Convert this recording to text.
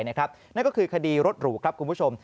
นั่นก็คือคดีรถหรูครับคุณผู้ชม